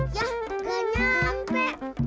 yah gak nyampe